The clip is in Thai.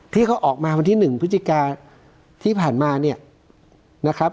ที่เขาออกมาวันที่๑พฤติกาที่ผ่านมา